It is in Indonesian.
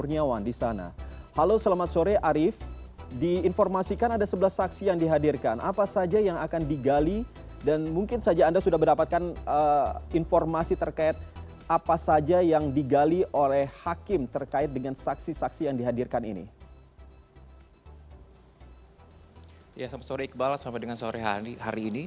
ya selamat sore iqbal selamat dengan sore hari ini